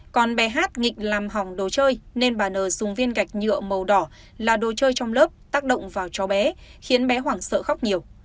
còn bé hát nghịch làm hỏng đồ chơi nên bà n dùng viên gạch nhựa màu đỏ là đồ chơi trong lớp tác động vào cháu bé khiến bé hoảng sợ khóc nhiều